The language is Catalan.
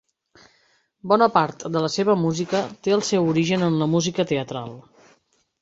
Bona part de la seva música té el seu origen en la música teatral.